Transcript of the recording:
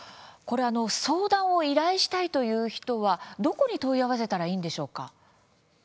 相談を依頼したいという人はどこに問い合わせたらいいんでしょうか。